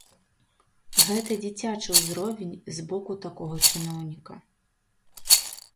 Гэта дзіцячы ўзровень з боку такога чыноўніка.